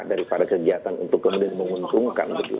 daripada kegiatan untuk kemudian menguntungkan